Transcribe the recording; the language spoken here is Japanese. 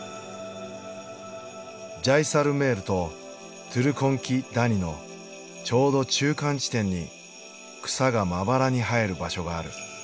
ジャイサルメールとトゥルコン・キ・ダニのちょうど中間地点に草がまばらに生える場所がある。